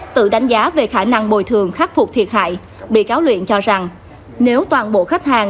tự đánh giá về khả năng bồi thường khắc phục thiệt hại bị cáo luyện cho rằng nếu toàn bộ khách hàng